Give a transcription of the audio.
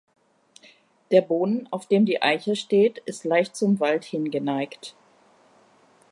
Der Boden, auf dem die Eiche steht, ist leicht zum Wald hin geneigt.